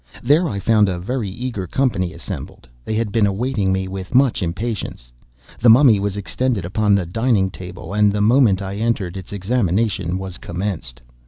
There I found a very eager company assembled. They had been awaiting me with much impatience; the Mummy was extended upon the dining table; and the moment I entered its examination was commenced.